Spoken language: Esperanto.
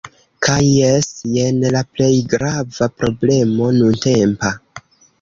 Kaj jes, jen la plej grava problemo nuntempa